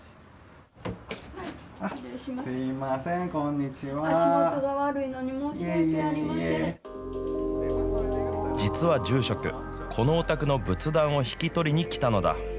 すみません、足元が悪いのに、実は住職、このお宅の仏壇を引き取りに来たのだ。